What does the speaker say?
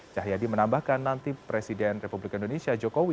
cahyadi menambahkan nanti presiden republik indonesia jokowi